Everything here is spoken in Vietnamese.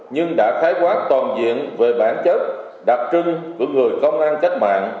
nhưng đã khái quát toàn diện về bản chất đặc trưng của người công an cách mạng